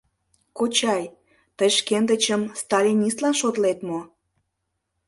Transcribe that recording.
— Кочай, тый шкендычым сталинистлан шотлет мо?